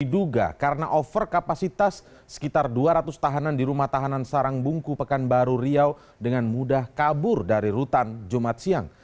diduga karena over kapasitas sekitar dua ratus tahanan di rumah tahanan sarangbungku pekanbaru riau dengan mudah kabur dari rutan jumat siang